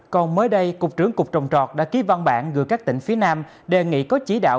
còn mới đây cục trưởng cục trồng trọt đã ký văn bản gửi các tỉnh phía nam đề nghị có chỉ đạo